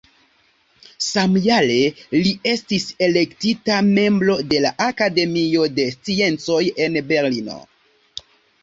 Samjare li estis elektita membro de la Akademio de Sciencoj en Berlino.